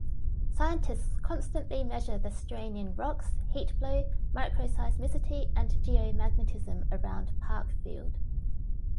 Scientists constantly measure the strain in rocks, heat flow, microseismicity, and geomagnetism around Parkfield.